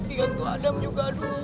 kesian tuh adam juga lho